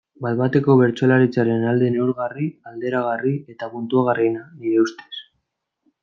Bat-bateko bertsolaritzaren alde neurgarri, alderagarri eta puntuagarriena, nire ustez.